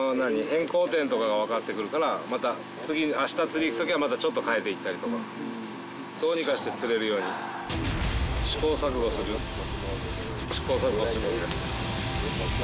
変更点とかが分かってくるからまたあした釣り行くときはまたちょっと変えていったりとかどうにかして釣れるように試行錯誤する試行錯誤するんです。